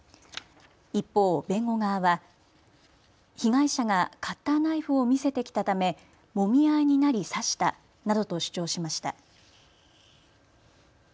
一方、弁護側は被害者がカッターナイフを見せてきたためもみ合いになり刺したなどと主張しました。